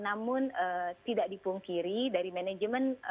namun tidak dipungkiri dari manajemen